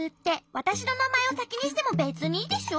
わたしのなまえをさきにしてもべつにいいでしょ？